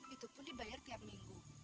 itu pun dibayar tiap minggu